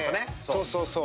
そうそうそう。